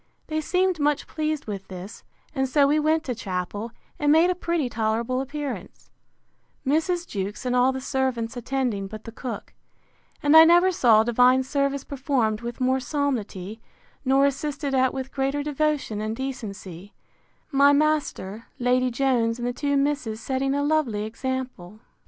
They seemed much pleased with this; and so we went to chapel, and made a pretty tolerable appearance; Mrs. Jewkes, and all the servants, attending, but the cook: And I never saw divine service performed with more solemnity, nor assisted at with greater devotion and decency; my master, Lady Jones, and the two misses, setting a lovely example.